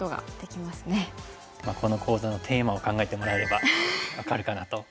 まあこの講座のテーマを考えてもらえれば分かるかなと。